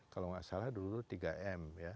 kalau nggak salah dulu tiga m